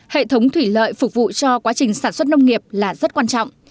hệ thống thủy lợi phục vụ cho quá trình sản xuất nông nghiệp là rất quan trọng